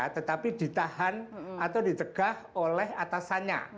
tetapi ditahan atau ditegah oleh atasannya